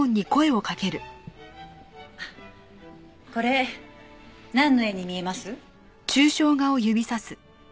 これなんの絵に見えます？